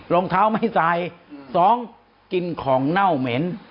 รองเท้าไม่ใส่สองกินของเน่าเหม็น